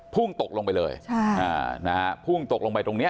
พ่วงตกลงไปเลยพ่วงตกลงไปตรงนี้